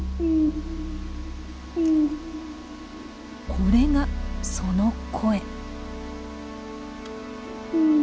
これがその声。